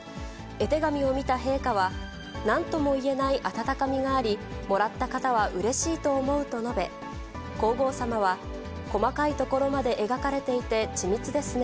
絵手紙を見た陛下は、なんともいえない温かみがあり、もらった方はうれしいと思うと述べ、皇后さまは、細かいところまで描かれていて、緻密ですね。